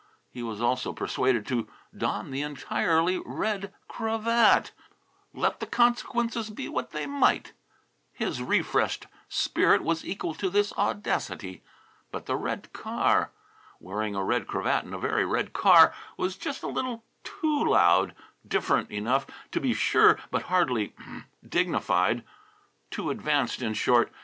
He was almost persuaded to don the entirely red cravat, let the consequences be what they might. His refreshed spirit was equal to this audacity but the red car. Wearing a red cravat in a very red car was just a little too loud "different" enough, to be sure, but hardly "dignified." Too advanced, in short.